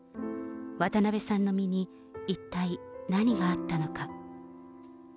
渡辺さんの身に一体何があったのか。